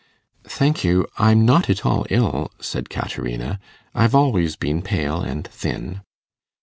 'Thank you: I'm not at all ill,' said Caterina. 'I've always been pale and thin.